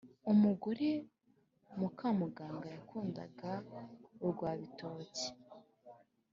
umugore mukamuganga yakundaga urwa bitoke.